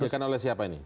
disetakan oleh siapa ini